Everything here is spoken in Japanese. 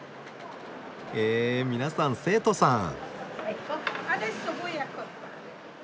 へぇ皆さん生徒さん。